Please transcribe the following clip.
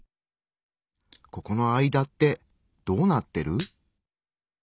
ここの「あいだ」ってどうなってる？